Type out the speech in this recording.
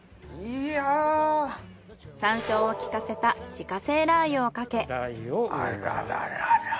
山椒を効かせた自家製ラー油をかけ。